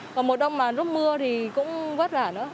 còn một đông mà lúc mưa thì cũng vất vả nữa